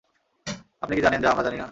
আপনি কি জানেন যা আমরা জানি না?